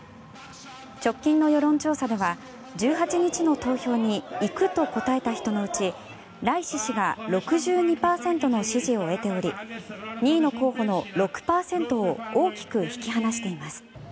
直近の世論調査では１８日の投票に行くと答えた人のうちライシ師が６２％の支持を得ており２位の候補の６％を大きく引き離しています。